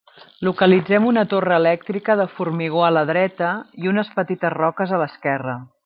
Localitzem una torre elèctrica de formigó a la dreta i unes petites roques a l'esquerra.